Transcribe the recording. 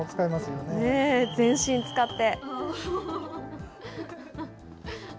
全身使って。